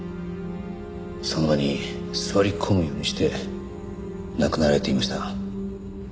その場に座り込むようにして亡くなられていました。